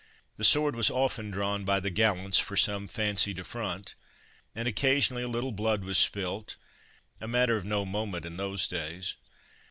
The sword was often drawn by the gallants for some fancied affront, and occasionally a little blood was spilt, a matter of no moment in those days.